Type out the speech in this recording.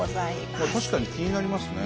確かに気になりますね。